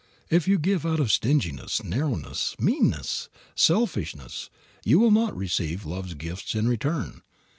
If you give out stinginess, narrowness, meanness, selfishness, you will not receive love's gifts in return.